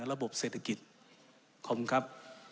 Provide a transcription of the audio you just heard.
ขอบคุณครับ